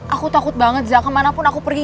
aku takut banget zah kemanapun aku pergi